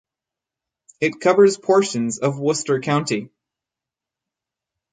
It covers portions of Worcester county.